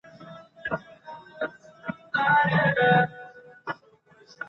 ښځې په ټولنه کې د بدلون راوستلو وړتیا لري.